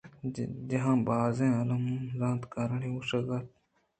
جہان ءِ بازیں عالم ءُ زانتکارانی گوٛشگ اِنت